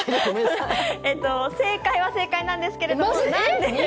正解は正解なんですけれども。